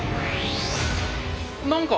何か！